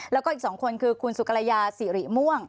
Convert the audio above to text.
แล้วก็อีกสองคนคือคุณสุกรยาศรีหรี่ม่วง